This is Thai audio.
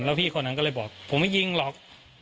แล้วพี่คนนั้นก็เลยบอกผมไม่ยิงหรอก